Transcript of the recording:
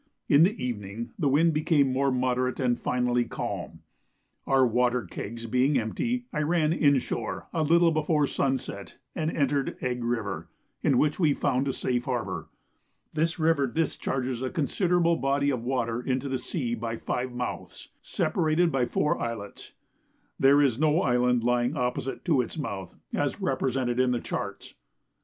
In the evening the wind became more moderate and finally calm. Our water kegs being empty, I ran inshore a little before sunset, and entered Egg River, in which we found a safe harbour. This river discharges a considerable body of water into the sea by five mouths, separated by four islets. There is no island lying opposite to its mouth, as represented in the charts.